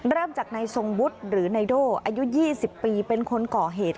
เริ่มจากนายทรงวุฒิหรือนายโดอายุ๒๐ปีเป็นคนก่อเหตุ